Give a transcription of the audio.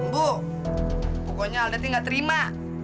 bu pokoknya alde tidak terima